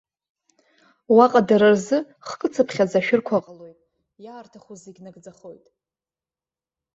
Уаҟа дара рзы, хкыцыԥхьаӡа ашәырқәа ҟалоит. Иаарҭаху зегьы нагӡахоит.